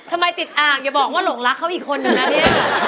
ทำไมติดอ่างอย่าบอกว่าหลงรักเขาอีกคนนึงนะเนี่ย